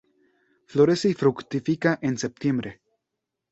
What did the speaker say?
Florece y fructifica en septiembre.